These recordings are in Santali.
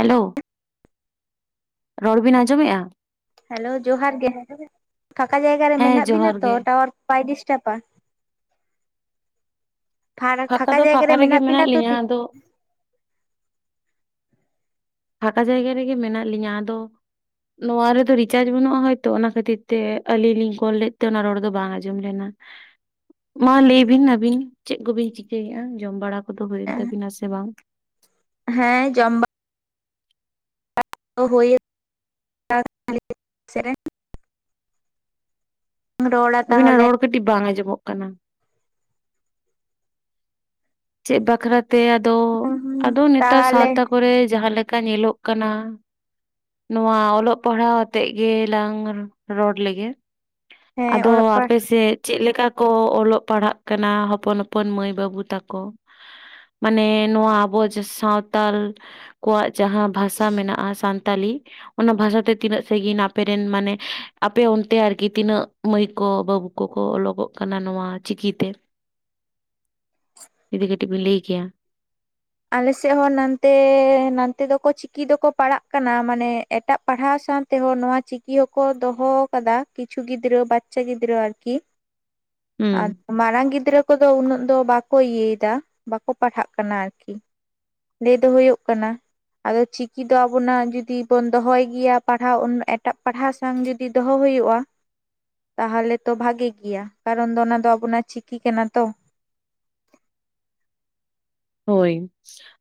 ᱦᱮᱞᱳ ᱨᱚᱲ ᱵᱤᱱ ᱟᱸᱡᱚᱢ ᱮᱜᱼᱟ? ᱦᱮᱞᱳ ᱡᱚᱦᱟᱨ ᱜᱮ ᱯᱷᱟᱠᱟ ᱡᱟᱭᱜᱟ ᱨᱮ ᱦᱮᱸ ᱢᱮᱱᱟᱜ ᱵᱤᱱᱟ ᱡᱚᱦᱟᱨ ᱛᱚ ᱜᱮ᱾ ᱴᱟᱣᱟᱨ ᱵᱟᱭ ᱰᱤᱥᱴᱟᱯᱟ᱾ ᱟᱨ ᱯᱷᱟᱸᱠᱟ ᱫᱚ ᱡᱟᱭᱜᱟ ᱨᱮ ᱨᱮᱜᱮ ᱢᱮᱱᱟᱜ ᱵᱤᱱᱟ ᱛᱚ᱾ ᱞᱤᱧᱟᱹ ᱟᱫᱚ ᱯᱷᱟᱸᱠᱟ ᱡᱟᱭᱜᱟ ᱨᱮᱜᱮ ᱢᱮᱱᱟᱜ ᱞᱤᱧᱟ ᱟᱫᱚ᱾ ᱱᱚᱣᱟ ᱨᱮᱫᱚ ᱨᱤᱪᱟᱨᱡ ᱵᱟᱹᱱᱩᱜᱼᱟ ᱦᱚᱭᱛᱚ ᱚᱱᱟ ᱠᱷᱟᱹᱛᱤᱨ ᱛᱮ ᱟᱞᱤᱧ ᱞᱤᱧ ᱠᱚᱞ ᱞᱮᱫ ᱛᱮ ᱚᱱᱟ ᱨᱚᱲ ᱫᱚ ᱵᱟᱝ ᱟᱸᱡᱚᱢ ᱞᱮᱱᱟ᱾ [inaudible] ᱢᱟ ᱞᱟᱹᱭ ᱵᱤᱱ ᱟᱹᱵᱤᱱ ᱪᱮᱫ ᱠᱚᱵᱤᱱ ᱪᱤᱠᱟᱹᱭᱮᱫᱼᱟ, ᱡᱚᱢ ᱵᱟᱲᱟ ᱠᱚᱫᱚ ᱦᱩᱭᱮᱱ ᱛᱟᱵᱤᱱᱟ ᱥᱮ ᱵᱟᱝ? ᱦᱮᱸ ᱡᱚᱢ ᱵᱟ ᱚ ᱦᱳᱭ [unintelligible] ᱥᱮᱨᱮᱧ ᱨᱚᱲᱟ ᱟᱵᱤᱱᱟᱜ ᱛᱟᱦᱚᱞᱮ ᱨᱚᱲ ᱠᱟᱹᱴᱤᱡ ᱵᱟᱝ ᱟᱸᱡᱚᱢᱚᱜ ᱠᱟᱱᱟ᱾ ᱪᱮᱫ ᱵᱟᱠᱷᱨᱟ ᱛᱮ ᱟᱫᱚ ᱟᱫᱚ ᱱᱮᱛᱟᱨ ᱛᱟᱦᱚᱞᱮ ᱥᱟᱶᱛᱟ ᱠᱚᱨᱮ ᱡᱟᱦᱟᱸ ᱞᱮᱠᱟ ᱧᱮᱞᱚᱜ ᱠᱟᱱᱟ᱾ ᱱᱚᱣᱟ ᱚᱞᱚᱜ ᱯᱟᱲᱦᱟᱣ ᱟᱛᱮᱫ ᱜᱮᱞᱟᱝ ᱨᱚᱲ ᱞᱮᱜᱮ᱾ ᱦᱮᱸ ᱟᱫᱚ ᱚᱞᱚᱜ ᱯᱟᱲ ᱟᱯᱮ ᱥᱮᱫ ᱪᱮᱫ ᱞᱮᱠᱟ ᱠᱚ ᱚᱞᱚᱜ ᱯᱟᱲᱦᱟᱜ ᱠᱟᱱᱟ ᱦᱚᱯᱚᱱ ᱦᱚᱯᱚᱱ ᱢᱟᱹᱭ ᱵᱟᱹᱵᱩ ᱛᱟᱠᱚ᱾ ᱢᱟᱱᱮ ᱱᱚᱣᱟ ᱟᱵᱚ ᱡᱮ ᱥᱟᱶᱛᱟᱞ ᱠᱚᱣᱟᱜ ᱡᱟᱸᱦᱟᱸ ᱵᱷᱟᱥᱟ ᱢᱮᱱᱟᱜᱼᱟ ᱥᱟᱱᱛᱟᱞᱤ᱾ ᱚᱱᱟ ᱵᱷᱟᱥᱟᱛᱮ ᱛᱤᱱᱟᱹᱜ ᱥᱟᱺᱜᱤᱧ ᱟᱯᱮᱨᱮᱱ ᱢᱟᱱᱮ ᱟᱯᱮ ᱚᱱᱛᱮ ᱟᱨᱠᱤ ᱛᱤᱱᱟᱹᱜ ᱢᱟᱹᱭ ᱠᱚ ᱵᱟᱹᱵᱩ ᱠᱚᱠᱚ ᱚᱞᱚᱠᱚᱜ ᱠᱟᱱᱟ ᱱᱚᱣᱟ ᱪᱤᱠᱤ ᱛᱮ᱾ ᱡᱩᱫᱤ ᱠᱟᱹᱴᱤᱡ ᱵᱤᱱ ᱞᱟᱹᱭ ᱠᱮᱭᱟ᱾ ᱟᱞᱮ ᱥᱮᱫ ᱦᱚᱸ ᱱᱟᱛᱮ ᱱᱟᱛᱮ ᱫᱚᱠᱚ ᱪᱤᱠᱤ ᱫᱚᱠᱚ ᱯᱟᱲᱦᱟᱜ ᱠᱟᱱᱟ ᱾ᱢᱟᱱᱮ ᱮᱴᱟᱜ ᱯᱟᱲᱦᱟᱣ ᱥᱟᱶ ᱛᱮᱦᱚᱸ ᱱᱚᱣᱟ ᱪᱤᱠᱤ ᱦᱚᱠᱚ ᱫᱚᱦᱚ ᱟᱠᱟᱫᱟ ᱠᱤᱪᱷᱩ ᱜᱤᱫᱽᱨᱟᱹ ᱵᱟᱪᱪᱟ ᱜᱤᱫᱽᱨᱟᱹ ᱟᱨᱠᱤ᱾ [inaudible] ᱟᱫᱚ ᱦᱩᱸ᱾ ᱢᱟᱨᱟᱝ ᱜᱤᱫᱽᱨᱟᱹ ᱠᱚᱫᱚ ᱩᱱᱟᱹᱜ ᱫᱚ ᱵᱟᱠᱚ ᱤᱭᱟᱹᱭᱮᱫᱟ ᱵᱟᱠᱚ ᱯᱟᱲᱦᱟᱜ ᱠᱟᱱᱟ ᱟᱨᱠᱤ᱾ ᱞᱟᱹᱭ ᱫᱚ ᱦᱩᱭᱩᱜ ᱠᱟᱱᱟ ᱟᱫᱚ ᱪᱤᱠᱤ ᱫᱚ ᱟᱵᱚᱱᱟᱜ ᱡᱩᱫᱤ ᱵᱚᱱ ᱫᱚᱦᱚᱭ ᱜᱮᱭᱟ ᱯᱟᱲᱦᱟᱣ, ᱮᱴᱟᱜ ᱯᱟᱲᱦᱟᱣ ᱥᱟᱝ ᱡᱩᱫᱤ ᱫᱚᱦᱚ ᱦᱩᱭᱩᱜᱼᱟ᱾ ᱛᱟᱦᱚᱞᱮ ᱛᱚ ᱵᱷᱟᱜᱤ ᱜᱮᱭᱟ, ᱠᱟᱨᱚᱱ ᱫᱚ ᱚᱱᱟ ᱫᱚ ᱟᱵᱚᱱᱟᱜ ᱪᱤᱠᱤ ᱠᱟᱱᱟ ᱛᱚ᱾ ᱦᱳᱭ᱾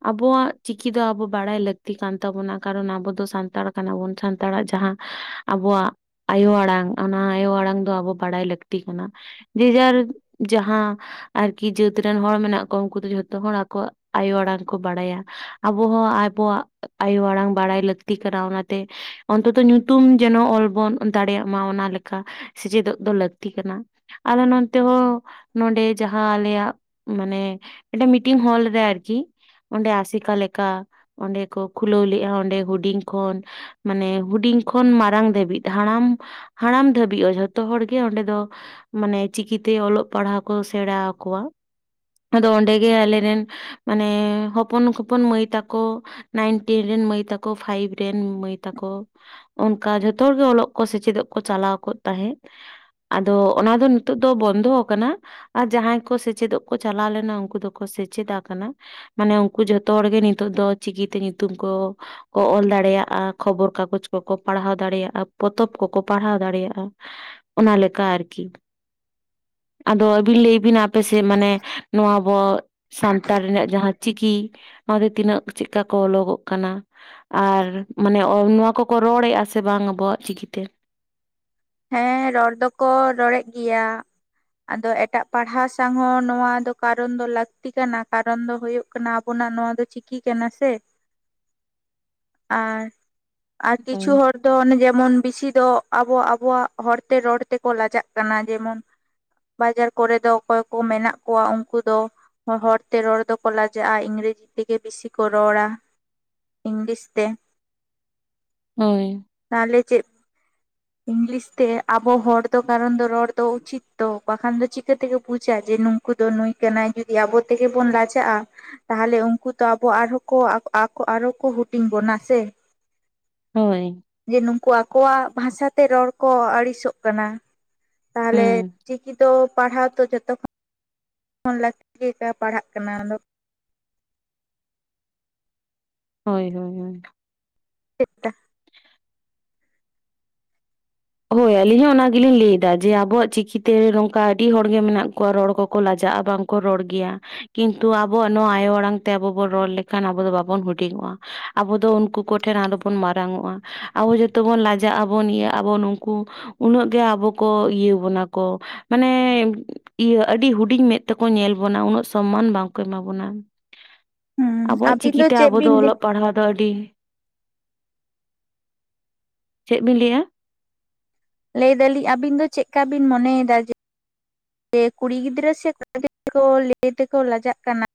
ᱟᱵᱚᱣᱟᱜ ᱪᱤᱠᱤ ᱫᱚ ᱟᱵᱚ ᱵᱟᱲᱟᱭ ᱞᱟᱹᱠᱛᱤ ᱠᱟᱱ ᱛᱟᱵᱚᱱᱟ ᱠᱟᱨᱚᱱ ᱟᱵᱚ ᱫᱚ ᱥᱟᱱᱛᱟᱲ ᱠᱟᱱᱟᱵᱚᱱ ᱥᱟᱱᱛᱟᱲᱟᱜ ᱡᱟᱦᱟᱸᱼᱼ ᱟᱵᱚᱣᱟᱜ ᱟᱭᱳ ᱟᱲᱟᱝ ᱚᱱᱟ ᱟᱭᱳ ᱟᱲᱟᱝ ᱫᱚ ᱟᱵᱚ ᱵᱟᱲᱟᱭ ᱞᱟᱹᱠᱛᱤ ᱠᱟᱱᱟ᱾ ᱡᱮᱡᱟᱨ ᱡᱟᱦᱟᱸ ᱟᱨᱠᱤ ᱡᱟᱹᱛ ᱨᱮᱱ ᱦᱚᱲ ᱢᱮᱱᱟᱜ ᱠᱚ ᱩᱱᱠᱩ ᱫᱚ ᱡᱷᱚᱛᱚ ᱦᱚᱲᱼᱼ ᱟᱠᱚᱶᱟᱜ ᱟᱭᱳ ᱟᱲᱟᱝ ᱠᱚ ᱵᱟᱲᱟᱭᱟ, ᱟᱵᱚ ᱦᱚᱸ ᱟᱵᱚᱣᱟᱜ ᱟᱭᱳ ᱟᱲᱟᱝ ᱵᱟᱲᱟᱭ ᱞᱟᱹᱠᱛᱤ ᱠᱟᱱᱟ ᱚᱱᱟᱛᱮᱼᱼ ᱚᱱᱛᱚᱛᱚ ᱧᱩᱛᱩᱢ ᱡᱮᱱᱚ ᱚᱞ ᱵᱚᱱ ᱫᱟᱲᱮᱭᱟᱜ ᱢᱟ ᱚᱱᱟ ᱞᱮᱠᱟ ᱥᱮᱪᱮᱫᱚᱜ ᱫᱚ ᱞᱟᱹᱠᱛᱤ ᱠᱟᱱᱟ᱾ ᱟᱞᱮ ᱱᱚᱱᱛᱮ ᱦᱚᱸ ᱱᱚᱰᱮ ᱡᱟᱦᱟᱸ ᱟᱞᱮᱭᱟᱜ ᱢᱟᱱᱮ ᱢᱤᱫᱴᱮᱱ ᱢᱤᱴᱤᱝ ᱦᱚᱞᱼᱼ ᱨᱮ ᱟᱨᱠᱤ ᱚᱸᱰᱮ ᱟᱥᱮᱠᱟ ᱞᱮᱠᱟ ᱚᱸᱰᱮ ᱠᱚ ᱠᱷᱩᱞᱟᱹᱣ ᱞᱮᱫᱼᱟ ᱚᱸᱰᱮ ᱦᱩᱰᱤᱧ ᱠᱷᱚᱱ, ᱢᱟᱱᱮ ᱦᱩᱰᱤᱧ ᱠᱷᱚᱱ ᱢᱟᱨᱟᱝ ᱫᱷᱟᱹᱵᱤᱡ ᱦᱟᱲᱟᱢᱼᱼ ᱦᱟᱲᱟᱢ ᱫᱷᱟᱹᱵᱤᱡ ᱡᱷᱚᱛᱚ ᱦᱚᱲᱜᱮ ᱚᱸᱰᱮ ᱫᱚ ᱢᱟᱱᱮ ᱪᱤᱠᱤᱛᱮ ᱚᱞᱚᱜ ᱯᱟᱲᱦᱟᱣ ᱠᱚ ᱥᱮᱬᱟ ᱟᱠᱚᱣᱟ ᱟᱫᱚ ᱚᱸᱰᱮᱜᱮ ᱟᱞᱮᱨᱮᱱᱼᱼ ᱢᱟᱱᱮ ᱦᱚᱯᱚᱱ ᱠᱷᱚᱯᱚᱱ ᱢᱟᱹᱭ ᱛᱟᱠᱚ ᱱᱟᱭᱤᱱ ᱴᱮᱱ ᱨᱮᱱ ᱢᱟᱹᱭ ᱛᱟᱠᱚ ᱯᱷᱟᱭᱤᱵᱷ ᱨᱮᱱ ᱢᱟᱹᱭ ᱛᱟᱠᱚ ᱚᱱᱠᱟ ᱡᱷᱚᱛᱚ ᱦᱚᱲᱜᱮ ᱚᱞᱚᱜ ᱠᱚ ᱥᱮᱪᱮᱫᱚᱜ ᱠᱚ ᱪᱟᱞᱟᱣ ᱠᱚᱜ ᱛᱟᱦᱮᱸᱫ ᱟᱫᱚ ᱚᱱᱟ ᱫᱚ ᱱᱤᱛᱳᱜ ᱫᱚ ᱵᱚᱱᱫᱚ ᱟᱠᱟᱱᱟ᱾ ᱟᱨ ᱡᱟᱦᱟᱸᱭ ᱠᱚ ᱥᱮᱪᱮᱫᱚᱜ ᱠᱚ ᱪᱟᱞᱟᱣ ᱞᱮᱱᱟ ᱩᱱᱠᱩ ᱫᱚᱠᱚ ᱥᱮᱪᱮᱫᱟᱼᱼ ᱢᱟᱱᱟ ᱢᱟᱱᱮ ᱩᱱᱠᱩ ᱡᱷᱚᱛᱚ ᱦᱚᱲᱜᱮ ᱱᱤᱛᱚᱜ ᱫᱚ ᱪᱤᱠᱤᱛᱮ ᱧᱩᱛᱩᱢ ᱠᱚᱼᱼ ᱠᱚ ᱚᱞ ᱫᱟᱲᱮᱭᱟᱜᱼᱟ ᱠᱷᱚᱵᱚᱨ ᱠᱟᱜᱚᱡᱽ ᱠᱚᱠᱚ ᱯᱟᱲᱦᱟᱣ ᱫᱟᱲᱮᱭᱟᱜᱼᱟ ᱯᱚᱛᱚᱵ ᱠᱚᱠᱚ ᱯᱟᱲᱦᱟᱣ ᱫᱟᱲᱮᱭᱟᱜᱼᱟ᱾ [inaudible] ᱚᱱᱟ ᱞᱮᱠᱟ ᱟᱨᱠᱤ ᱟᱫᱚ ᱟᱹᱵᱤᱱ ᱞᱟᱹᱭ ᱵᱤᱱ ᱟᱯᱮᱥᱮᱫ ᱢᱟᱱᱮ ᱱᱚᱣᱟ ᱟᱵᱚᱣᱟᱜ ᱥᱟᱱᱼᱼ ᱛᱟᱲ ᱨᱮᱱᱟᱜ ᱡᱟᱦᱟᱸ ᱪᱤᱠᱤ ᱚᱱᱟ ᱫᱚ ᱛᱤᱱᱟᱹᱜ ᱪᱮᱫᱠᱟ ᱠᱚ ᱚᱞᱚᱜᱚᱜ ᱠᱟᱱᱟ? ᱟᱨ ᱢᱟᱱᱮ ᱱᱚᱣᱟ ᱠᱚᱠᱚ ᱨᱚᱲᱮᱫᱼᱟ ᱥᱮ ᱵᱟᱝ ᱟᱵᱚᱣᱟᱜ ᱪᱤᱠᱤᱛᱮ? ᱦᱮᱸ ᱨᱚᱲ ᱫᱚᱠᱚ ᱨᱚᱲᱮᱫ ᱜᱮᱭᱟ᱾ ᱟᱫᱚ ᱮᱴᱟᱜ ᱯᱟᱲᱦᱟᱣ ᱥᱟᱶ ᱦᱚᱸ ᱱᱚᱣᱟ ᱫᱚ ᱠᱟᱨᱚᱱ ᱫᱚ ᱞᱟᱹᱠᱛᱤ ᱠᱟᱱᱟ ᱠᱟᱨᱚᱱ ᱫᱚ ᱦᱩᱭᱩᱜ ᱠᱟᱱᱟ᱾ ᱠᱟᱱᱟ ᱟᱵᱚᱱᱟᱜ ᱱᱚᱣᱟ ᱫᱚ ᱪᱤᱠᱤ ᱠᱟᱱᱟ ᱥᱮ ᱟᱨᱼᱼ ᱟᱨ ᱠᱤᱪᱷᱩ ᱦᱳᱭ ᱦᱚᱲ ᱫᱚ ᱚᱱᱮ ᱡᱮᱢᱚᱱ ᱵᱤᱥᱤ ᱫᱚ ᱟᱵᱚ ᱟᱵᱼᱼ ᱵᱚᱣᱟᱜ ᱦᱚᱲᱛᱮ ᱨᱚᱲ ᱛᱮᱠᱚ ᱞᱟᱡᱟᱜ ᱠᱟᱱᱟ ᱡᱮᱢᱚᱱᱼᱼ ᱵᱟᱡᱟᱨ ᱠᱚᱨᱮ ᱫᱚ ᱚᱠᱚᱭ ᱠᱚ ᱢᱮᱱᱟᱜ ᱠᱚᱣᱟ ᱩᱱᱠᱩ ᱫᱚ, ᱦᱚᱲᱛᱮ ᱨᱚᱲ ᱫᱚᱠᱚ ᱞᱟᱡᱟᱜᱼᱟ ᱤᱝᱨᱮᱡᱤ ᱛᱮᱜᱮ ᱵᱤᱥᱤ ᱠᱚ ᱨᱚᱲᱟ᱾ ᱤᱝᱞᱤᱥ ᱛᱮ ᱦᱳᱭ ᱛᱟᱦᱞᱮ ᱪᱮᱫᱼᱼ ᱤᱝᱞᱤᱥ ᱛᱮ ᱟᱵᱚ ᱦᱚᱲ ᱫᱚ ᱠᱟᱨᱚᱱ ᱫᱚ ᱨᱚᱲ ᱫᱚ ᱩᱪᱤᱛ ᱛᱚ ᱵᱟᱠᱷᱟᱱ ᱫᱚ ᱪᱮᱼᱼ ᱪᱤᱠᱟᱹ ᱛᱮᱠᱚ ᱵᱩᱡᱟ ᱡᱮ ᱱᱩᱝᱠᱩ ᱫᱚ ᱱᱩᱭ ᱠᱟᱱᱟᱭ ᱡᱩᱫᱤ ᱟᱵᱚ ᱛᱮᱜᱮ ᱵᱚᱱ ᱞᱟᱡᱟᱜᱼᱟ᱾ ᱛᱟᱦᱚᱞᱮ ᱩᱱᱠᱩ ᱫᱚ ᱟᱵᱚ ᱟᱨᱦᱚᱸ ᱠᱚ ᱟᱠᱚ ᱟᱨᱦᱚᱸ ᱠᱚ ᱦᱩᱴᱤᱧ ᱵᱚᱱᱟ ᱥᱮᱼᱼ ᱦᱳᱭ ᱡᱮ ᱱᱩᱝᱠᱩ ᱟᱠᱚᱣᱟᱜ ᱵᱷᱟᱥᱟᱛᱮ ᱨᱚᱲ ᱠᱚ ᱟᱹᱲᱤᱥᱚᱜ ᱠᱟᱱᱟ᱾ ᱛᱟᱦᱚᱞᱮ ᱦᱩᱸ ᱪᱤᱠᱤ ᱫᱚ ᱯᱟᱲᱦᱟᱣ ᱛᱚ ᱡᱚᱛᱚᱠᱷᱼᱼ ᱚᱱ ᱞᱟᱹᱠᱛᱤ ᱜᱮ ᱞᱮᱠᱟ ᱯᱟᱲᱦᱟᱜ ᱠᱟᱱᱟ᱾ ᱦᱳᱭ, ᱦᱳᱭ, ᱦᱳᱭ ᱪᱮᱫ ᱛᱮᱼᱼ ᱦᱳᱭ ᱟᱞᱤᱧ ᱦᱚᱸ ᱚᱱᱟ ᱜᱮᱞᱤᱧ ᱞᱟᱹᱭ ᱮᱫᱟ ᱡᱮ ᱟᱵᱚᱣᱟᱜ ᱪᱤᱠᱤᱛᱮ ᱱᱚᱝᱠᱟ ᱟᱹᱰᱤ ᱦᱚᱲᱜᱮ ᱢᱮᱱᱟᱜ ᱠᱚᱣᱟ ᱨᱚᱲ ᱠᱚᱠᱚ ᱞᱟᱡᱟᱜᱼᱟ ᱵᱟᱝ, ᱠᱚ ᱨᱚᱲ ᱜᱮᱭᱟ ᱠᱤᱱᱛᱩ ᱟᱵᱚᱣᱟᱜ ᱱᱚᱣᱟ ᱟᱭᱳ ᱟᱲᱟᱝ ᱛᱮ ᱟᱵᱚ ᱵᱚᱱ ᱨᱚᱲ ᱞᱮᱠᱷᱟᱱ ᱟᱵᱚ ᱫᱚ ᱵᱟᱵᱚᱱ ᱦᱩᱰᱤᱝᱚᱜᱼᱟ᱾ ᱟᱵᱚ ᱫᱚ ᱩᱱᱠᱩ ᱠᱚᱴᱷᱮᱱ ᱟᱞᱚ ᱵᱚᱱ ᱢᱟᱨᱟᱝᱚᱜᱼᱟ ᱟᱵᱚ ᱡᱷᱚᱛᱚ ᱵᱚᱱ ᱞᱟᱡᱟᱜᱼᱟ ᱵᱚᱱ ᱤᱭᱟᱹ ᱟᱵᱚᱱ ᱩᱱᱠᱩ ᱩᱱᱟᱹᱜ ᱜᱮ ᱟᱵᱚ ᱠᱚ ᱤᱭᱟᱹ ᱵᱚᱱᱟ ᱠᱚ ᱢᱟᱱᱮᱻ ᱤᱭᱟᱹ ᱟᱹᱰᱤ ᱦᱩᱰᱤᱧ ᱢᱮᱫ ᱛᱮᱠᱚ ᱧᱮᱞ ᱵᱚᱱᱟ ᱩᱱᱟᱹᱜ ᱥᱚᱢᱢᱟᱱ ᱵᱟᱝᱠᱚ ᱮᱢᱟ ᱵᱚᱱᱟ ᱦᱩᱸ ᱟᱵᱚᱣᱟᱜ ᱟᱹᱵᱤᱱ ᱪᱤᱠᱤᱛᱮ ᱪᱮᱫ ᱟᱵᱚ ᱫᱚ ᱵᱤᱱ ᱚᱞᱚᱜ ᱯᱟᱲᱦᱟᱣ ᱫᱚ ᱟᱹᱰᱤ ᱪᱮᱫ ᱵᱤᱱ ᱞᱟᱹᱭᱟ? ᱞᱟᱹᱭ ᱫᱟᱞᱤᱧ ᱟᱵᱤᱱ ᱫᱚ ᱪᱮᱫᱠᱟ ᱵᱤᱱ ᱢᱚᱱᱮᱭᱮᱫᱟ ᱡᱮ ᱠᱩᱲᱤ ᱜᱤᱫᱽᱨᱟᱹ ᱥᱮ ᱠᱚᱲᱟ ᱜᱤᱫᱽᱨᱟᱹ ᱠᱚ ᱞᱟᱹᱭ ᱛᱮᱠᱚ ᱞᱟᱡᱟᱜ ᱠᱟᱱᱟ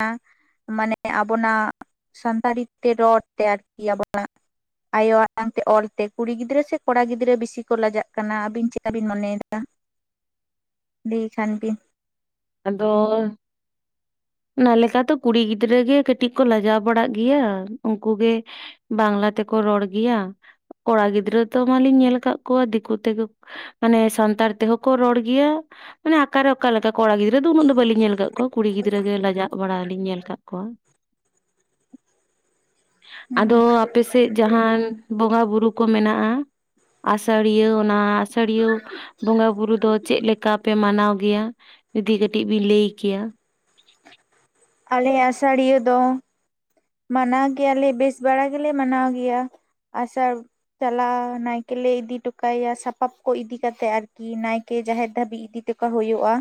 ᱢᱟᱱᱮ ᱟᱵᱚᱱᱟᱜ ᱥᱟᱱᱛᱟᱲᱤ ᱛᱮ ᱨᱚᱲ ᱛᱮ ᱟᱨᱠᱤ ᱟᱵᱚᱱᱟᱜ ᱟᱭᱳ ᱟᱲᱟᱝ ᱛᱮ ᱚᱞᱛᱮ ᱠᱩᱲᱤ ᱜᱤᱫᱽᱨᱟᱹ ᱥᱮ ᱠᱚᱲᱟ ᱜᱤᱫᱽᱨᱟᱹ ᱵᱤᱥᱤ ᱠᱚ ᱞᱟᱡᱟᱜ ᱠᱟᱱᱟ ᱟᱵᱤᱱ ᱪᱮᱫᱠᱟ ᱵᱤᱱ ᱢᱚᱱᱮᱭᱮᱫᱟ ᱞᱟᱹᱭ ᱠᱷᱟᱱ ᱵᱤᱱ ᱟᱫᱚᱻ ᱚᱱᱟ ᱞᱮᱠᱟ ᱛᱚ ᱠᱩᱲᱤ ᱜᱤᱫᱽᱨᱟᱹ ᱜᱮ ᱠᱟᱹᱴᱤᱡ ᱠᱚ ᱞᱟᱡᱟᱣ ᱵᱟᱲᱟᱜ ᱜᱮᱭᱟ ᱩᱱᱠᱩ ᱜᱮ ᱵᱟᱝᱞᱟ ᱛᱮᱠᱚ ᱨᱚᱲ ᱜᱮᱭᱟ ᱠᱚᱲᱟ ᱜᱤᱫᱽᱨᱟᱹ ᱛᱚ ᱢᱟ. ᱞᱤᱧ ᱧᱮᱞ ᱟᱠᱟᱫ ᱠᱚᱣᱟ ᱫᱤᱠᱩ ᱛᱮᱜᱮ ᱢᱟᱱᱮ ᱥᱟᱱᱛᱟᱲ ᱛᱮᱦᱚᱸ ᱠᱚ ᱨᱚᱲ ᱜᱮᱭᱟ ᱢᱟᱱᱮ ᱚᱠᱟᱨᱮ ᱚᱠᱟ ᱞᱮᱠᱟ ᱠᱚᱲᱟ ᱜᱤᱫᱽᱨᱟᱹ ᱫᱚ ᱩᱱᱟᱹᱜ ᱫᱚ ᱵᱟᱹᱞᱤᱧ ᱧᱮᱞ ᱟᱠᱟᱫ ᱠᱚᱣᱟ ᱠᱩᱲᱤ ᱜᱤᱫᱽᱨᱟᱹ ᱜᱮ ᱞᱟᱡᱟᱜ ᱵᱟᱲᱟ ᱞᱤᱧ ᱧᱮᱞ ᱟᱠᱟᱫ ᱠᱚᱣᱟ [inaudible] ᱟᱫᱚ ᱟᱯᱮ ᱥᱮᱫ ᱡᱟᱦᱟᱱ ᱵᱚᱸᱜᱟ ᱵᱩᱨᱩ ᱠᱚ ᱢᱮᱱᱟᱜᱼᱟ ᱟᱥᱟᱲᱤᱭᱟᱹ ᱚᱱᱟ ᱟᱥᱟᱲᱤᱭᱟᱹ ᱵᱚᱸᱜᱟ ᱵᱩᱨᱩ ᱫᱚ ᱪᱮᱫ ᱞᱮᱠᱟᱯᱮ ᱢᱟᱱᱟᱣ ᱜᱮᱭᱟ ᱡᱩᱫᱤ ᱠᱟᱹᱴᱤᱡ ᱵᱤᱱ ᱞᱟᱹᱭ ᱠᱮᱭᱟ ᱟᱞᱮ ᱟᱥᱟᱲᱤᱭᱟᱹ ᱫᱚ ᱢᱟᱱᱟᱣ ᱜᱮᱭᱟᱞᱮ ᱵᱮᱥ ᱵᱟᱲᱟ ᱜᱮᱞᱮ ᱢᱟᱱᱟᱣ ᱜᱮᱭᱟ ᱟᱥᱟᱲ ᱪᱟᱞᱟᱣ ᱱᱟᱭᱠᱮ ᱞᱮ ᱤᱫᱤ ᱴᱚᱠᱟᱭᱟ ᱥᱟᱯᱟᱵ ᱠᱚ ᱤᱫᱤ ᱠᱟᱛᱮᱜ ᱟᱨᱠᱤ ᱱᱟᱭᱠᱮ ᱡᱟᱦᱮᱨ ᱫᱷᱟᱹᱵᱤᱡ ᱤᱫᱤ ᱪᱮᱠᱟ ᱦᱩᱭᱩᱜᱼᱟ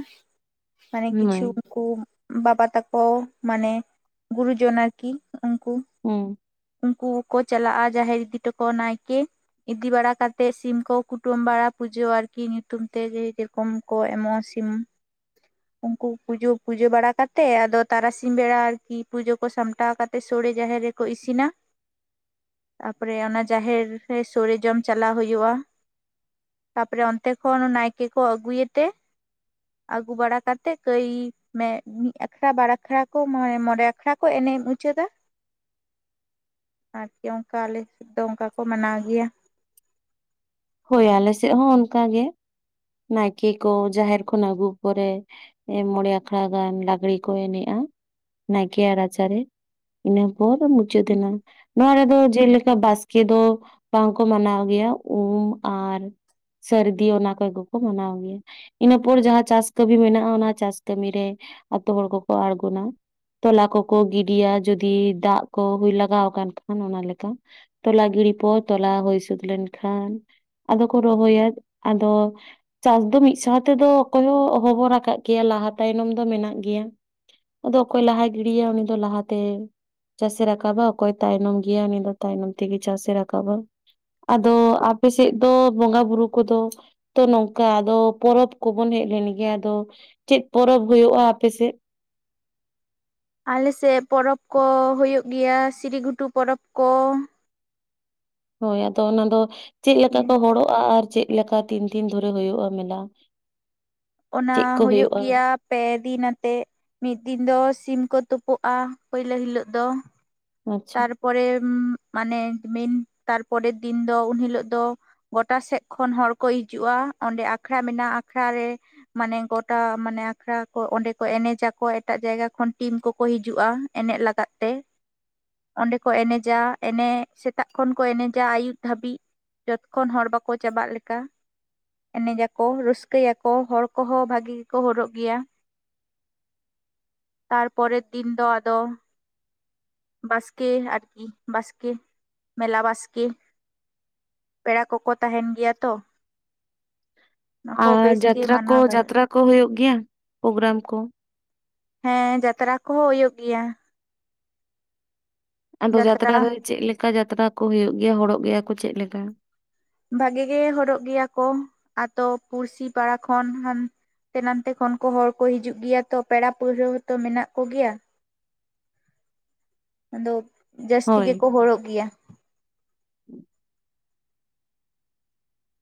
ᱢᱟᱱᱮ ᱠᱤᱪᱷᱩ ᱦᱳᱭ ᱩᱱᱠᱩ ᱵᱟᱵᱟ ᱛᱟᱠᱚ ᱚ ᱢᱟᱱᱮ ᱜᱩᱨᱩᱡᱚᱱ ᱟᱨᱠᱤ ᱩᱱᱠᱩ ᱦᱩᱸ ᱩᱱᱠᱩ ᱠᱚ ᱪᱟᱞᱟᱜᱼᱟ ᱡᱟᱦᱮᱨ ᱤᱫᱤ ᱴᱚᱠᱚ ᱱᱟᱭᱠᱮ ᱤᱫᱤ ᱵᱟᱲᱟ ᱠᱟᱛᱮᱫ ᱥᱤᱢ ᱠᱚ ᱠᱩᱴᱟᱹᱢ ᱵᱟᱲᱟ ᱯᱩᱡᱟᱹ ᱟᱨᱠᱤ ᱧᱩᱛᱩᱢ ᱛᱮ ᱚᱢ ᱠᱚ ᱮᱢᱚᱜᱼᱟ ᱥᱤᱢ ᱩᱱᱠᱩ ᱯᱩᱡᱟᱹ ᱯᱩᱡᱟᱹ ᱵᱟᱲᱟ ᱠᱟᱛᱮ ᱟᱫᱚ ᱛᱟᱨᱟᱥᱤᱧ ᱵᱮᱲᱟ ᱟᱨᱠᱤ ᱯᱩᱡᱟᱹ ᱠᱚ ᱥᱟᱢᱴᱟᱣ ᱠᱟᱛᱮᱫ ᱥᱳᱲᱮ ᱡᱟᱦᱮᱨ ᱨᱮᱠᱚ ᱤᱥᱤᱱᱟ ᱛᱟᱯᱚᱨᱮ ᱚᱱᱟ ᱡᱟᱦᱮᱨ ᱨᱮ ᱥᱳᱲᱮ ᱡᱚᱢ ᱪᱟᱞᱟᱣ ᱦᱩᱭᱩᱜᱼᱟ ᱛᱟᱨᱯᱚᱨᱮ ᱚᱱᱛᱮ ᱠᱷᱚᱱ ᱱᱟᱭᱠᱮ ᱠᱚ ᱟᱹᱜᱩᱭᱮᱛᱮ ᱟᱹᱜᱩ ᱵᱟᱲᱟ ᱠᱟᱛᱮᱫ ᱠᱟᱹᱭ ᱢᱮ ᱢᱤᱫ ᱟᱠᱷᱟᱲᱟ ᱵᱟᱲᱟ ᱟᱠᱷᱲᱟ ᱠᱚ ᱢᱮ ᱢᱚᱬᱮ ᱟᱠᱷᱲᱟ ᱠᱚ ᱮᱱᱮᱡ ᱢᱩᱪᱟᱹᱫᱟ ᱟᱨᱠᱤ ᱚᱱᱠᱟ ᱟᱞᱮ ᱥᱮᱫ ᱫᱚ ᱚᱱᱠᱟ ᱠᱚ ᱢᱟᱱᱟᱣ ᱜᱮᱭᱟ ᱦᱳᱭ ᱟᱞᱮ ᱥᱮᱫ ᱦᱚᱸ ᱚᱱᱠᱟ ᱜᱮ ᱱᱟᱭᱠᱮ ᱠᱚ ᱡᱟᱦᱮᱨ ᱠᱷᱚᱱ ᱟᱹᱜᱩ ᱯᱚᱨᱮ ᱢᱚᱬᱮ ᱟᱠᱷᱲᱟ ᱜᱟᱱ ᱞᱟᱜᱽᱲᱮ ᱠᱚ ᱮᱱᱮᱡᱼᱟ ᱱᱟᱭᱠᱮᱭᱟᱜ ᱨᱟᱪᱟᱨᱮ ᱤᱱᱟᱹ ᱯᱚᱨ ᱢᱩᱪᱟᱹᱫᱮᱱᱟ ᱱᱚᱣᱟ ᱨᱮᱫᱚ ᱡᱮᱞᱮᱠᱟ ᱵᱟᱥᱠᱮ ᱫᱚ ᱵᱟᱝᱠᱚ ᱢᱟᱱᱟᱣ ᱜᱮᱭᱟ ᱩᱢ ᱟᱨ ᱥᱟᱹᱨᱫᱤ ᱚᱱᱟ ᱠᱚᱜᱮ ᱠᱚ ᱢᱟᱱᱟᱣ ᱜᱮᱭᱟ ᱤᱱᱟᱹᱯᱚᱨ ᱡᱟᱦᱟᱸ ᱪᱟᱥ ᱠᱟᱹᱢᱤ ᱢᱮᱱᱟᱜᱼᱟ ᱚᱱᱟ ᱪᱟᱥ ᱠᱟᱹᱢᱤᱨᱮ ᱟᱛᱳ ᱦᱚᱲ ᱠᱚᱠᱚ ᱟᱲᱜᱚᱱᱟ ᱛᱚᱞᱟ ᱠᱚᱠᱚ ᱜᱤᱰᱤᱭᱟ ᱡᱩᱫᱤ ᱫᱟᱜ ᱠᱚ ᱦᱩᱭ ᱞᱟᱜᱟᱣ ᱟᱠᱟᱱ ᱠᱷᱟᱱ ᱚᱱᱟ ᱞᱮᱠᱟ ᱛᱚᱞᱟ ᱜᱤᱲᱤ ᱯᱚᱨ ᱛᱚᱞᱟ ᱦᱩᱭ ᱥᱟᱹᱛ ᱞᱮᱱᱠᱷᱟᱱ ᱟᱫᱚ ᱠᱚ ᱨᱚᱦᱚᱭᱟ ᱟᱫᱚ ᱪᱟᱥ ᱫᱚ ᱢᱤᱫ ᱥᱟᱶ ᱛᱮᱫᱚ ᱚᱠᱚᱭ ᱦᱚᱸ ᱚᱸᱦᱚ ᱵᱚ ᱨᱟᱠᱟᱵ ᱜᱮᱭᱟ ᱞᱟᱦᱟ ᱛᱟᱭᱱᱚᱢ ᱫᱚ ᱢᱮᱱᱟᱜ ᱜᱮᱭᱟ ᱟᱫᱚ ᱚᱠᱚᱭ ᱞᱟᱦᱟᱭ ᱜᱤᱰᱤᱭᱟ ᱩᱱᱤ ᱫᱚ ᱞᱟᱦᱟᱛᱮ ᱪᱟᱥ ᱮ ᱨᱟᱠᱟᱵᱟ ᱚᱠᱚᱭ ᱛᱟᱭᱱᱚᱢ ᱜᱮᱭᱟ ᱩᱱᱤ ᱫᱚ ᱛᱟᱭᱱᱚᱢ ᱛᱮᱜᱮ ᱪᱟᱥ ᱮ ᱨᱟᱠᱟᱵᱟ ᱟᱫᱚ ᱟᱯᱮ ᱥᱮᱫ ᱫᱚ ᱵᱚᱸᱜᱟ ᱵᱩᱨᱩ ᱠᱚᱫᱚ ᱛᱚ ᱱᱚᱝᱠᱟ ᱟᱫᱚ ᱯᱚᱨᱚᱵᱽ ᱠᱚᱵᱚᱱ ᱦᱮᱡ ᱞᱮᱱ ᱜᱮ ᱟᱫᱚ ᱪᱮᱫ ᱯᱚᱨᱚᱵᱽ ᱦᱩᱭᱩᱜᱼᱟ ᱟᱯᱮᱥᱮᱫ? ᱟᱞᱮᱥᱮᱫ ᱯᱚᱨᱚᱵᱽ ᱠᱚ ᱦᱩᱭᱩᱜ ᱜᱮᱭᱟ ᱥᱤᱨᱤᱜᱷᱩᱴᱩ ᱯᱚᱨᱚᱵᱽ ᱠᱚ᱾ ᱦᱳᱭ ᱟᱫᱚ ᱚᱱᱟ ᱫᱚ ᱪᱮᱫ ᱞᱮᱠᱟ ᱠᱚ ᱦᱚᱲᱚᱜᱼᱟ ᱟᱨ ᱪᱮᱫ ᱞᱮᱠᱟ ᱛᱤᱱ ᱫᱤᱱ ᱫᱷᱚᱨᱮ ᱦᱩᱭᱩᱜᱼᱟ ᱢᱮᱞᱟ? ᱚᱱᱟ ᱪᱮᱫ ᱠᱚ ᱦᱳᱭᱩᱜ ᱦᱩᱭᱩᱜᱼᱟ ᱜᱮᱭᱟ᱾ ᱯᱮ ᱫᱤᱱ ᱟᱛᱮᱜ ᱢᱤᱫ ᱫᱤᱱ ᱫᱚ ᱥᱤᱢ ᱠᱚ ᱛᱩᱯᱩᱜᱼᱟ ᱯᱩᱭᱞᱟᱹ ᱦᱤᱞᱳᱜ ᱫᱚ ᱟᱪᱪᱷᱟ ᱛᱟᱨᱯᱚᱨᱮ ᱢᱟᱱᱮ ᱢᱮᱱ ᱛᱟᱨᱯᱚᱨᱮᱨ ᱫᱤᱱ ᱫᱚ ᱩᱱᱦᱤᱞᱚᱜ ᱫᱚ᱾ ᱜᱚᱴᱟ ᱥᱮᱫ ᱠᱷᱚᱱ ᱦᱚᱲᱠᱚ ᱦᱤᱡᱩᱜᱼᱟ ᱚᱸᱰᱮ ᱟᱠᱷᱲᱟ ᱢᱮᱱᱟᱜᱼᱟ ᱟᱠᱷᱲᱟ ᱨᱮᱼᱼ ᱢᱟᱱᱮ ᱜᱚᱴᱟ ᱢᱟᱱᱮ ᱟᱠᱷᱲᱟ ᱠᱚ ᱚᱸᱰᱮ ᱠᱚ ᱮᱱᱮᱡ ᱟᱠᱚ ᱮᱴᱟᱜ ᱡᱟᱭᱜᱟ ᱠᱷᱚᱱ ᱴᱤᱢ ᱠᱚᱠᱚ ᱦᱤᱡᱩᱜᱼᱟ᱾ ᱮᱱᱮᱡ ᱞᱟᱜᱟᱫ ᱛᱮ, ᱚᱸᱰᱮ ᱠᱚ ᱮᱱᱮᱡᱟ ᱮᱱᱮᱡ ᱥᱮᱛᱟᱜ ᱠᱷᱚᱱ ᱠᱚ ᱮᱱᱮᱡᱟ ᱟᱹᱭᱩᱵ ᱫᱷᱟᱹᱵᱤᱡ ᱡᱚᱛ ᱠᱷᱚᱱ ᱦᱚᱲ ᱵᱟᱠᱚ ᱪᱟᱵᱟᱜ ᱞᱮᱠᱟ᱾ ᱮᱱᱮᱡ ᱟᱠᱠᱚ ᱨᱟᱹᱥᱠᱟᱹᱭᱟᱠᱚ ᱦᱚᱲ ᱠᱚᱦᱚᱸ ᱵᱷᱟᱜᱤ ᱜᱮᱠᱚ ᱦᱚᱨᱚᱜ ᱜᱮᱭᱟ᱾ ᱛᱟᱨᱯᱚᱨᱮᱨ ᱫᱤᱱ ᱫᱚ ᱟᱫᱚ, ᱵᱟᱥᱠᱮ ᱟᱨᱠᱤ ᱵᱟᱥᱠᱮ ᱢᱮᱞᱟ ᱵᱟᱥᱠᱮᱼᱼ ᱯᱮᱲᱟ ᱠᱚᱠᱚ ᱛᱟᱦᱮᱱ ᱜᱮᱭᱟ ᱛᱚ᱾ ᱚᱱᱟ ᱠᱚ ᱟᱨ ᱵᱮᱥ ᱜᱮ ᱡᱟᱛᱨᱟ ᱠᱚ ᱢᱟᱱᱟᱣ ᱫᱟᱲᱮᱭᱟᱜᱼᱟ ᱡᱟᱛᱨᱟ ᱠᱚ ᱦᱩᱭᱩᱜ ᱜᱮᱭᱟ ᱯᱨᱳᱜᱜᱨᱟᱢ ᱠᱚ? ᱦᱮᱸ ᱡᱟᱛᱨᱟ ᱠᱚᱦᱚᱸ ᱦᱩᱭᱩᱜ ᱜᱮᱭᱟ᱾ ᱟᱫᱚ ᱡᱟᱛᱨᱟ ᱨᱮ ᱪᱮᱫ ᱞᱮᱠᱟ ᱡᱟᱛᱨᱟ ᱠᱚ ᱦᱩᱭᱩᱜ ᱜᱮᱭᱟ ᱦᱚᱨᱚᱜ ᱜᱮᱭᱟ ᱠᱚ ᱪᱮᱫ ᱞᱮᱠᱟ? ᱵᱷᱟᱜᱤ ᱜᱮ ᱦᱚᱲᱚᱜ ᱜᱮᱭᱟ ᱠᱚ ᱟᱹᱛᱩ ᱯᱩᱲᱥᱤ ᱯᱟᱲᱟ ᱠᱷᱚᱱ ᱦᱟᱱᱼᱼ ᱛᱮ ᱱᱟᱛᱮ ᱠᱷᱚᱱ ᱠᱚ ᱦᱚᱲ ᱠᱚ ᱦᱤᱡᱩᱜ ᱜᱮᱭᱟ ᱛᱚ ᱯᱮᱲᱟ ᱯᱟᱹᱲᱦᱟᱹ ᱛᱚ ᱢᱮᱱᱟᱜ ᱠᱚᱜᱮᱭᱟ᱾ ᱟᱫᱚ ᱡᱟᱹᱥᱛᱤ ᱦᱳᱭ ᱜᱮᱠᱚ ᱦᱚᱜ ᱜᱮᱭᱟ᱾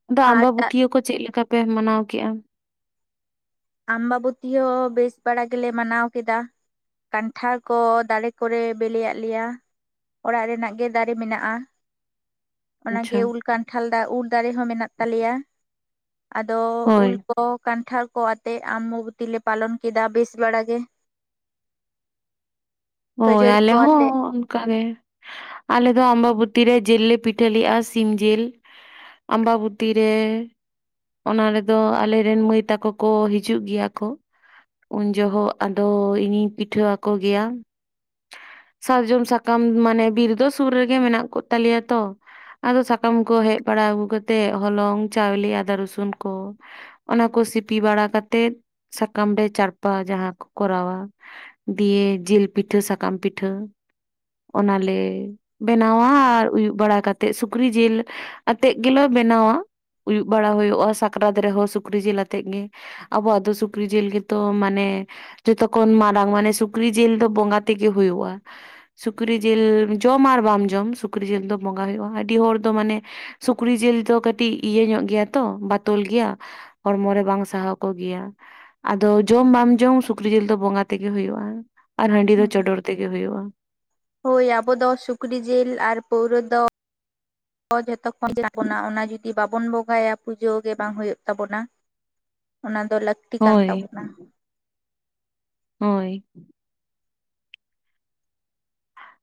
ᱟᱫᱚ ᱟᱨ ᱟᱢᱵᱟᱵᱟᱹᱛᱭᱟᱹ ᱠᱚ ᱪᱮᱫ ᱞᱮᱠᱟ ᱯᱮ ᱢᱟᱱᱟᱣ ᱠᱮᱜᱼᱟ? ᱟᱢᱵᱟᱵᱚᱛᱤ ᱦᱚᱸ ᱵᱮᱥ ᱵᱟᱲᱟ ᱜᱮᱞᱮ ᱢᱟᱱᱟᱣ ᱠᱮᱫᱟ᱾ ᱠᱟᱱᱴᱷᱟᱲ ᱠᱚ ᱫᱟᱨᱮ ᱠᱚᱨᱮ ᱵᱮᱞᱮ ᱟᱫ ᱞᱮᱭᱟ᱾ ᱚᱲᱟᱜ ᱨᱮᱱᱟᱜ ᱜᱮ ᱫᱟᱨᱮ ᱢᱮᱱᱟᱜᱼᱟ᱾ ᱚᱱᱟᱜᱮ ᱟᱪᱪᱷᱟ ᱩᱞ ᱠᱟᱱᱴᱷᱟᱲ ᱫᱚ ᱩᱞ ᱫᱟᱨᱮ ᱦᱚᱸ ᱢᱮᱱᱟᱜ ᱛᱟᱞᱮᱭᱟ ᱟᱫᱚ ᱦᱳᱭ ᱩᱞ ᱠᱚᱼᱼ ᱠᱟᱱᱴᱷᱟᱲ ᱠᱚᱣᱟᱼᱼ ᱟᱢᱢᱵᱚᱛᱤ ᱞᱮ ᱯᱟᱞᱚᱱ ᱠᱮᱫᱟ ᱵᱮᱥ ᱵᱮᱲᱟ ᱜᱮ᱾ ᱦᱳᱭ ᱠᱷᱟᱹᱡᱟᱹᱲᱤ ᱟᱞᱮ ᱠᱚ ᱦᱚᱸ ᱟᱛᱮᱜ ᱚᱱᱠᱟᱜ ᱜᱮᱼᱼ ᱟᱞᱮ ᱫᱚ ᱟᱢᱵᱟ ᱵᱚᱛᱤ ᱨᱮ ᱡᱤᱞ ᱞᱮ ᱯᱤᱴᱷᱟᱹ ᱞᱮᱫᱼᱟ ᱥᱤᱢ ᱡᱤᱞ᱾ ᱟᱢᱵᱟᱵᱩᱛᱤ ᱨᱮᱼᱼ ᱚᱱᱟ ᱨᱮᱫᱚ ᱟᱞᱮᱨᱮᱱ ᱢᱟᱹᱭ ᱛᱟᱠᱚ ᱠᱚ ᱦᱤᱡᱩᱜ ᱜᱮᱭᱟ ᱠᱚ᱾ ᱩᱱ ᱡᱚᱦᱚᱜ ᱟᱫᱚ ᱤᱧᱤᱧ ᱯᱤᱴᱷᱟᱹ ᱟᱠᱚ ᱜᱮᱭᱟ᱾ ᱥᱟᱨᱡᱚᱢ ᱥᱟᱠᱟᱢ ᱢᱟᱱᱮ ᱵᱤᱨ ᱫᱚ ᱥᱩᱨ ᱨᱮᱜᱮ ᱢᱮᱱᱟᱜ ᱠᱚ ᱛᱟᱞᱮᱭᱟ ᱛᱚ᱾ ᱟᱫᱚ ᱥᱟᱠᱟᱢ ᱠᱚ ᱦᱮᱡ ᱵᱟᱲᱟ ᱟᱹᱜᱩ ᱠᱟᱛᱮᱜ ᱦᱚᱞᱚᱝ ᱪᱟᱣᱞᱮ ᱟᱫᱟ ᱨᱚᱥᱩᱱ ᱠᱚᱼᱼ ᱚᱱᱟ ᱠᱚ ᱥᱤᱯᱤ ᱵᱟᱲᱟ ᱠᱟᱛᱮᱫ ᱥᱟᱠᱟᱢ ᱨᱮ ᱪᱟᱨᱯᱟ ᱡᱟᱦᱟᱸ ᱠᱚ ᱠᱚᱨᱟᱣᱟ᱾ ᱫᱤᱭᱮ ᱡᱤᱞ ᱯᱤᱴᱷᱟᱹ ᱥᱟᱠᱟᱢ ᱯᱤᱴᱷᱟᱹ ᱚᱱᱟᱞᱮ ᱵᱮᱱᱟᱣᱟ ᱟᱨ ᱟᱹᱭᱩᱵ ᱵᱟᱲᱟ ᱠᱟᱛᱮᱫ ᱥᱩᱠᱨᱤ ᱡᱤᱞᱼᱼ ᱟᱛᱮᱜ ᱜᱮᱞᱮ ᱵᱮᱱᱟᱣᱟ ᱟᱹᱭᱩᱵ ᱵᱟᱲᱟ ᱦᱩᱭᱩᱜᱼᱟ, ᱥᱟᱠᱨᱟᱛ ᱨᱮᱦᱚᱸ ᱥᱩᱠᱨᱤ ᱡᱤᱞ ᱟᱛᱮᱜ ᱜᱮᱼᱼ ᱟᱵᱚᱣᱟᱜ ᱫᱚ ᱥᱩᱠᱨᱤ ᱡᱤᱞ ᱜᱮᱛᱚ ᱢᱟᱱᱮᱼᱼ ᱡᱚᱛᱚ ᱠᱷᱚᱱᱚᱱ ᱢᱟᱨᱟᱝ ᱢᱟᱱᱮ ᱥᱩᱠᱨᱤ ᱡᱤᱞ ᱫᱚ ᱵᱚᱸᱜᱟ ᱛᱮᱜᱮ ᱦᱩᱭᱩᱜᱼᱟ᱾ ᱥᱩᱠᱨᱤ ᱡᱤᱞ ᱡᱚᱢ ᱟᱨ ᱵᱟᱢ ᱡᱚᱢ ᱥᱩᱠᱨᱤ ᱡᱤᱞ ᱫᱚ ᱵᱚᱸᱜᱟ ᱦᱩᱭᱩᱜᱼᱟ, ᱟᱹᱰᱤ ᱦᱚᱲ ᱫᱚ ᱢᱟᱱᱮᱼᱼ ᱥᱩᱠᱨᱤ ᱡᱤᱞ ᱫᱚ ᱠᱟᱹᱴᱤᱡ ᱤᱭᱟᱹ ᱧᱚᱜ ᱜᱮᱭᱟ᱾ ᱛᱚ ᱵᱟᱛᱚᱞ ᱜᱮᱭᱟ ᱦᱚᱲᱢᱚ ᱨᱮ ᱵᱟᱝ ᱥᱟᱦᱟᱣ ᱠᱚᱜᱮᱭᱟ᱾ ᱟᱫᱚ ᱡᱚᱢ ᱵᱟᱢ ᱡᱚᱢ ᱥᱩᱠᱨᱤ ᱡᱤᱞ ᱫᱚ ᱵᱚᱸᱜᱟ ᱛᱮᱜᱮ ᱦᱩᱭᱩᱜᱼᱟ ᱟᱨ ᱦᱟᱺᱰᱤ ᱫᱚ ᱪᱚᱰᱚᱨ ᱛᱮᱜᱮ ᱦᱩᱭᱩᱜᱼᱟ᱾ ᱦᱳᱭ ᱟᱵᱚ ᱫᱚ ᱥᱩᱠᱨᱤ ᱡᱤᱞ ᱟᱨ ᱯᱟᱹᱣᱨᱟᱹ ᱫᱚ ᱡᱚᱛᱚ ᱠᱷᱚᱱ [unintelligible] ᱵᱚᱱᱟ ᱚᱱᱟ ᱡᱩᱫᱤ ᱵᱟᱵᱚᱱ ᱵᱚᱸᱜᱟᱭᱟ, ᱯᱩᱡᱟᱹ ᱜᱮ ᱵᱟᱝ ᱦᱩᱭᱩᱜ ᱛᱟᱵᱚᱱᱟ ᱚᱱᱟ ᱫᱚ ᱞᱟᱹᱠᱛᱤ ᱠᱟᱱ ᱦᱳᱭ ᱛᱟᱵᱚᱱᱟ᱾ ᱦᱳᱭ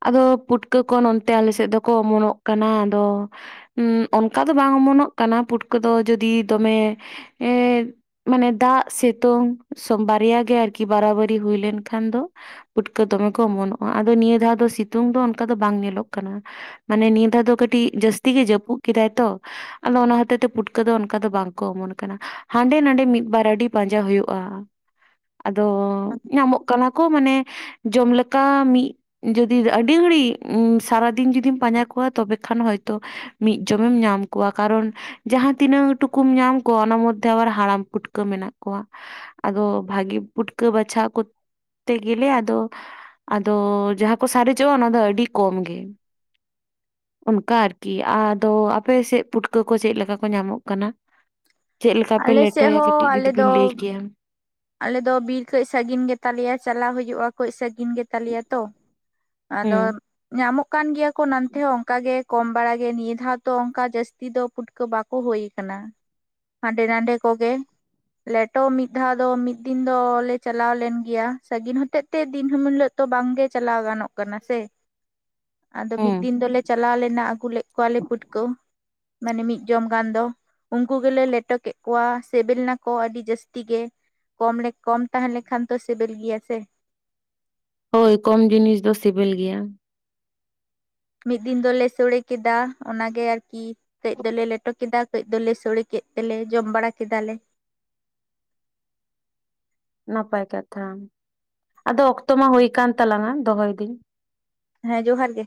ᱟᱫᱚ ᱯᱩᱴᱠᱟᱹ ᱠᱚ ᱱᱚᱱᱛᱮ ᱟᱞᱮ ᱥᱮᱫ ᱫᱚᱠᱚ ᱚᱢᱚᱱᱚᱜ ᱠᱟᱱᱟ, ᱟᱫᱚ ᱚᱱᱠᱟ ᱫᱚ ᱵᱟᱝ ᱚᱢᱚᱱᱚᱜ ᱠᱟᱱᱟ ᱯᱩᱴᱠᱟᱹ ᱫᱚ ᱡᱩᱫᱤ ᱫᱚᱢᱮ ᱮᱸ ᱢᱟᱱᱮ ᱫᱟᱜ ᱥᱤᱛᱩᱝ ᱵᱟᱨᱭᱟ ᱜᱮ ᱟᱨᱠᱤ ᱵᱟᱨᱟᱵᱟᱨᱤ ᱦᱩᱭ ᱞᱮᱱᱠᱷᱟᱱ ᱫᱚ ᱯᱩᱴᱠᱟᱹ ᱫᱚᱢᱮ ᱠᱚ ᱚᱢᱚᱱᱚᱜᱼᱟ ᱟᱫᱚ ᱱᱤᱭᱟᱹ ᱫᱷᱟᱣ ᱫᱚ ᱥᱤᱛᱩᱝ ᱫᱚ ᱚᱱᱠᱟ ᱫᱚ ᱵᱟᱝ ᱧᱮᱞᱚᱜ ᱠᱟᱱᱟ᱾ ᱢᱟᱱᱮ ᱱᱤᱭᱟᱹ ᱫᱷᱟᱣ ᱫᱚ ᱠᱟᱹᱴᱤᱡ ᱡᱟᱹᱥᱛᱤ ᱜᱮ ᱡᱟᱹᱯᱩᱫ ᱠᱮᱫᱟᱭ ᱛᱳ᱾ ᱟᱫᱚ ᱚᱱᱟ ᱦᱚᱛᱮᱡ ᱛᱮ ᱯᱩᱴᱠᱟᱹ ᱫᱚ ᱚᱱᱠᱟ ᱫᱚ ᱵᱟᱝᱠᱚ ᱚᱢᱚᱱ ᱠᱟᱱᱟ᱾ ᱦᱟᱸᱰᱮ ᱱᱟᱰᱮ ᱢᱤᱫ ᱵᱟᱨ ᱟᱹᱰᱤ ᱯᱟᱸᱡᱟ ᱦᱩᱭᱩᱜᱼᱟ᱾ ᱟᱫᱚ ᱧᱟᱢᱚᱜ ᱠᱟᱱᱟ ᱠᱚ ᱢᱟᱱᱮ ᱡᱚᱢ ᱞᱮᱠᱟ ᱢᱤᱜ ᱡᱩᱫᱤ ᱟᱹᱰᱤ ᱜᱷᱟᱹᱲᱤᱡ ᱥᱟᱨᱟᱫᱤᱱ ᱡᱩᱫᱤᱢ ᱯᱟᱸᱡᱟ ᱠᱚᱣᱟ ᱛᱚᱵᱮ ᱠᱷᱟᱱ ᱦᱚᱭᱛᱳ ᱢᱤᱫ ᱡᱚᱢᱮᱢ ᱧᱟᱢ ᱠᱚᱣᱟ ᱠᱟᱨᱚᱱ ᱡᱟᱦᱟᱸ ᱛᱤᱱᱟᱹᱜ ᱴᱩᱠᱩᱢ ᱧᱟᱢ ᱠᱚᱣᱟ ᱚᱱᱟ ᱢᱚᱫᱽᱫᱷᱮ ᱟᱵᱟᱨ ᱦᱟᱲᱟᱢ ᱯᱷᱩᱴᱠᱟᱹ ᱢᱮᱱᱟᱜ ᱠᱚᱣᱟ᱾ ᱟᱫᱚ ᱵᱷᱟᱹᱜᱤ ᱯᱩᱴᱠᱟᱹ ᱵᱟᱪᱷᱟ ᱠᱳ ᱛᱮᱜᱮᱞᱮ ᱟᱫᱚ ᱟᱫᱚ ᱡᱟᱦᱟᱸ ᱠᱚ ᱥᱟᱨᱮᱡᱚᱜᱼᱟ, ᱚᱱᱟ ᱫᱚ ᱟᱹᱰᱤ ᱠᱚᱢ ᱜᱮ [unintelligible] ᱚᱱᱠᱟ ᱟᱨᱠᱤ ᱟᱫᱳ ᱟᱯᱮ ᱥᱮᱫ ᱯᱩᱴᱠᱟᱹ ᱠᱚ ᱪᱮᱫ ᱞᱮᱠᱟ ᱠᱳ ᱧᱟᱢᱚᱜ ᱠᱟᱱᱟ᱾ ᱪᱮᱫ ᱞᱮᱠᱟᱯᱮ ᱟᱞᱮ ᱥᱮᱫ ᱞᱮᱴᱚᱭᱟ ᱦᱚᱸ ᱠᱟᱹᱴᱤᱡ ᱟᱞᱮ ᱡᱩᱫᱤᱵᱤᱱ ᱫᱚ ᱞᱟ. ᱭ ᱠᱮᱭᱟ? ᱟᱞᱮ ᱫᱚ ᱵᱤᱨ ᱠᱟᱹᱡ ᱥᱟᱹᱜᱤᱧ ᱜᱮ ᱛᱟᱞᱮᱭᱟ ᱪᱟᱞᱟᱣ ᱦᱩᱭᱩᱜᱼᱟ, ᱠᱟᱹᱡ ᱥᱟᱹᱜᱤᱧ ᱜᱮ ᱛᱟᱞᱮᱭᱟ ᱛᱳ᱾ ᱟᱫᱚ ᱦᱩᱸ ᱧᱟᱢᱚᱜ ᱠᱟᱱ ᱜᱮᱭᱟ ᱠᱚ ᱱᱚᱱᱛᱮ ᱦᱚᱸ ᱚᱱᱠᱟ ᱜᱮ᱾ ᱠᱚᱢ ᱵᱟᱲᱟᱜᱮ ᱱᱤᱭᱟᱹ ᱫᱷᱟᱣ ᱛᱚ ᱚᱱᱠᱟ ᱡᱟᱹᱥᱛᱤ ᱫᱚ ᱯᱩᱴᱠᱟᱹ ᱵᱟᱠᱚ ᱦᱳᱭ ᱟᱠᱟᱱᱟ᱾ ᱦᱟᱸᱰᱮ ᱱᱟᱰᱮ ᱠᱚᱜᱮ ᱞᱮᱴᱚ ᱢᱤᱫ ᱫᱷᱟᱣ ᱟᱫᱚ ᱢᱤᱫ ᱫᱤᱱ ᱫᱚᱞᱮ ᱪᱟᱞᱟᱣ ᱞᱮᱱ ᱜᱮᱭᱟ ᱥᱟᱺᱜᱤᱧ ᱦᱚᱛᱮᱡ ᱛᱮ ᱫᱤᱱ ᱦᱤᱞᱳᱜ ᱫᱚ ᱵᱟᱝ ᱜᱮ ᱪᱟᱞᱟᱣ ᱜᱟᱱᱚᱜ ᱥᱮ ᱟᱫᱚ ᱢᱤᱫ ᱦᱩᱸ ᱫᱤᱱ ᱫᱚᱞᱮ ᱪᱟᱞᱟᱣ ᱞᱮᱱᱟ ᱟᱹᱜᱩ ᱞᱮᱫ ᱠᱚᱣᱟᱞᱮ ᱯᱩᱴᱠᱟᱹ᱾ ᱢᱟᱱᱮ ᱢᱤᱫ ᱡᱚᱢ ᱜᱟᱱ ᱫᱚ᱾ ᱩᱱᱠᱩ ᱜᱮᱞᱮ ᱞᱮᱴᱚ ᱠᱮᱫ ᱠᱚᱣᱟ ᱥᱮᱵᱮᱞ ᱱᱟᱠᱚ ᱟᱹᱰᱤ ᱡᱟᱹᱥᱛᱤ ᱜᱮ᱾ ᱠᱚᱢ ᱞᱮ ᱠᱚᱢ ᱛᱟᱦᱮᱸ ᱞᱮᱱᱠᱷᱟᱱ ᱛᱚ ᱥᱮᱵᱮᱞ ᱜᱮᱭᱟ ᱥᱮ᱾ ᱦᱳᱭ ᱠᱚᱢ ᱡᱤᱱᱤᱥ ᱫᱚ ᱥᱮᱵᱮᱞ ᱜᱮᱭᱟ᱾ ᱢᱤᱫ ᱫᱤᱱ ᱫᱚᱞᱮ ᱥᱚᱲᱮ ᱠᱮᱫᱟ ᱚᱱᱟᱜᱮ ᱟᱨᱠᱤ ᱠᱟᱹᱡ ᱫᱚᱞᱮ ᱞᱮᱴᱚ ᱠᱮᱫᱟ ᱠᱟ. ᱡ ᱫᱚᱞᱮ ᱥᱚᱲᱮ ᱠᱮᱫ ᱛᱮᱞᱮ ᱡᱚᱢ ᱵᱟᱲᱟ ᱠᱮᱫᱟᱞᱮ᱾ ᱱᱟᱯᱟᱭ ᱠᱟᱛᱷᱟ ᱟᱫᱚ ᱚᱠᱛᱚ ᱢᱟ ᱦᱩᱭ ᱠᱟᱱ ᱛᱟᱞᱟᱝ-ᱟ ᱫᱚᱦᱚᱭ ᱮᱫᱟᱹᱧ? ᱦᱮᱸ ᱡᱚᱦᱟᱨ ᱜᱮ